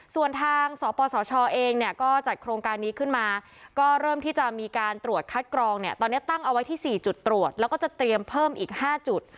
ส่วนทางสปสชเองเนี่ยก็จัดโครงการนี้ขึ้นมาก็เริ่มที่จะมีการตรวจคัดกรองเนี่ยตอนนี้ตั้งเอาไว้ที่๔จุดตรวจแล้วก็จะเตรียมเพิ่มอีก๕จุด